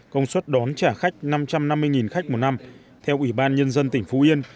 công suất đón trả khách năm trăm năm mươi khách một năm theo ủy ban nhân dân tỉnh phú yên